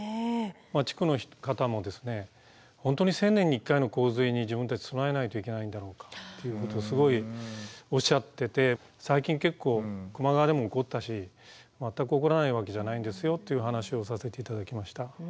地区の方も本当に１０００年に１回の洪水に自分たち備えないといけないんだろうかっていうようなことをすごいおっしゃってて最近結構球磨川でも起こったし全く起こらないわけじゃないんですよという話をさせて頂きました。